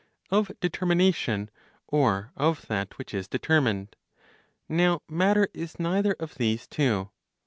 Of determination, or of that which is determined? Now matter is neither of these two.